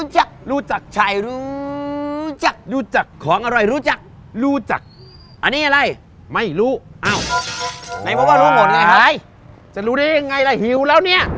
จะรู้ได้ยังไงล่ะหิวแล้วเนี่ย